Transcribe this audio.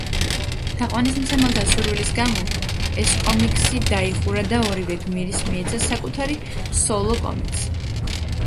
თაყვანისმცემელთა სურვილის გამო ეს კომიქსი დაიხურა და ორივე გმირს მიეცა „საკუთარი სოლო კომიქსი“.